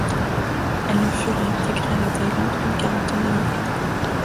Elle ne fut réintégrée à la Thaïlande qu'une quarantaine d'années plus tard.